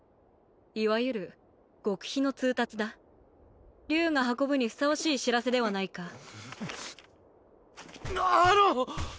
いわゆる極秘の通達だ竜が運ぶにふさわしい知らせではないかあの！